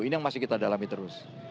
ini yang masih kita dalami terus